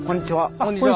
こんにちは。